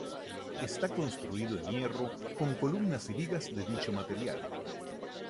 Está construido en hierro, con columnas y vigas de dicho material.